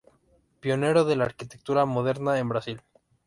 Pionero de la arquitectura moderna en Brasil.